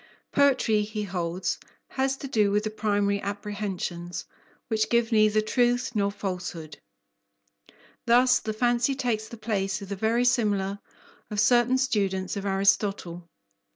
Poetry, he holds, has to do with the primary apprehensions, which give neither truth nor falsehood. Thus the fancy takes the place of the verisimilar of certain students of Aristotle.